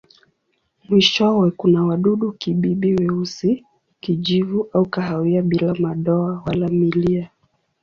Mwishowe kuna wadudu-kibibi weusi, kijivu au kahawia bila madoa wala milia.